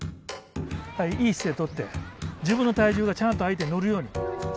いい姿勢をとって自分の体重がちゃんと相手に乗るように。